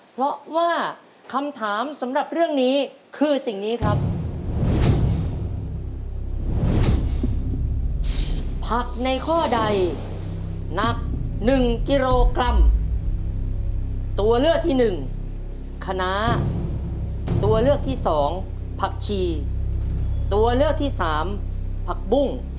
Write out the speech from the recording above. เพราะว่าคำถามสำหรับเรื่องนี้คือสิ่งนี้ครับ